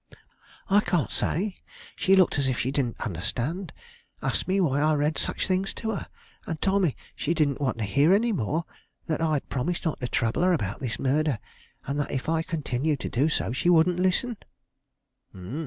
"I can't say. She looked as if she didn't understand; asked me why I read such things to her, and told me she didn't want to hear any more; that I had promised not to trouble her about this murder, and that if I continued to do so she wouldn't listen."